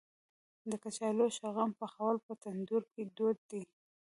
د کچالو او شلغم پخول په تندور کې دود دی.